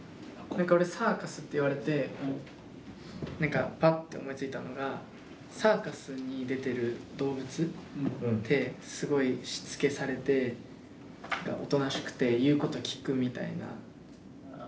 何か俺サーカスって言われて何かパッて思いついたのがサーカスに出てる動物ってすごいしつけされて何かおとなしくて言うこと聞くみたいな。